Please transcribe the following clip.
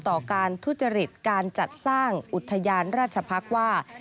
ต่อการทุจริตการจัดสร้างอุทยานราชพักษ์ว่า